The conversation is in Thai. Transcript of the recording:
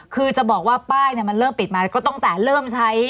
คือจะบอกว่าป้ายมันเริ่มปิดมาก็ตั้งแต่เริ่มใช้